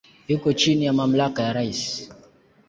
Yuko chini ya mamlaka ya rais.